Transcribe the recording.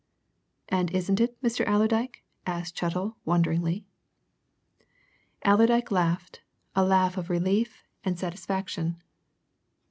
"And isn't it, Mr. Allerdyke?" asked Chettle wonderingly. Allerdyke laughed a laugh of relief and satisfaction.